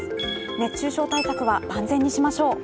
熱中症対策は万全にしましょう。